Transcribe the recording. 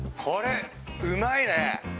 これうまいね！